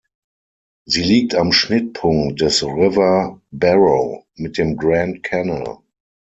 Sie liegt am Schnittpunkt des River Barrow mit dem Grand Canal.